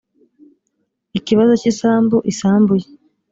ikibazo cy isambu isambu ye